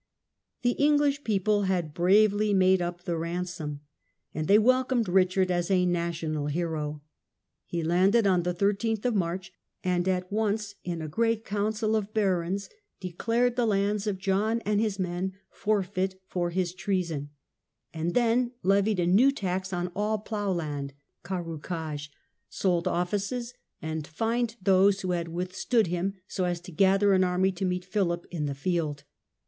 The English people had bravely made up the ransom, 46 GOVERNMENT OF HUBERT WALTER. and they welcomed Richard as a national hero. He landed on the 13th of March, and at once in a great His Ust visit council of barons declared the lands of John to England, ^nd his men forfeit for his treason — and then levied a new tax on all plough land (canicage), sold offices, and fined those who had withstood him, so as to gather an army to meet Philip in the field.